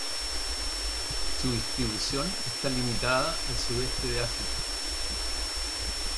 Su distribución está limitada al sudeste de África.